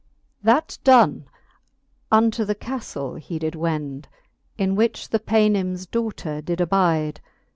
XX. That done, unto the caftle he did wend, In which the Paynims daughter did abide.